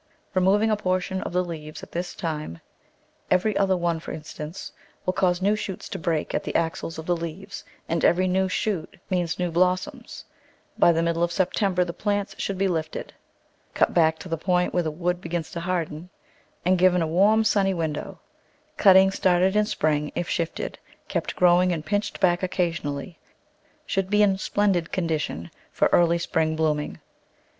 Removing a portion of the leaves at this time — every other one, for instance — will cause new shoots to break at the axils of the leaves, and every new shoot means new blossom point$. By the middle of September the plants should be lifted, cut back to the point where the wood begins to harden, and given a warm, sunny Digitized by Google 78 The Flower Garden [Chapter window. Cuttings started in spring, if shifted, kept growing and pinched back occasionally, should be in splendid condition for early spring blooming.